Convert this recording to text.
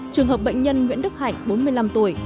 trường hợp bệnh nhân nguyễn đức hạnh bốn mươi năm tuổi